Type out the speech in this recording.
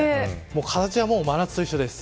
形はもう真夏と一緒です。